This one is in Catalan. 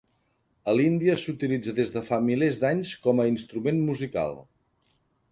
A l'Índia s'utilitza des de fa milers d'anys com a instrument musical.